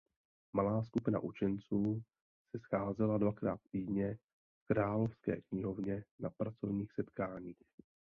Malá skupina učenců se scházela dvakrát týdně v Královské knihovně na pracovních setkáních.